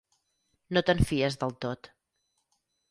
No te'n fies del tot.